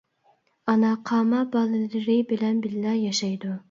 ‹ ‹ئانا› › قاما بالىلىرى بىلەن بىللە ياشايدۇ.